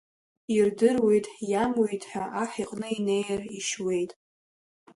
Ирдыруеит, иамуит ҳәа аҳ иҟны инеир, ишьуеит.